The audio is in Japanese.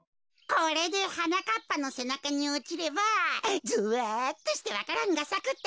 これではなかっぱのせなかにおちればゾワっとしてわか蘭がさくってか。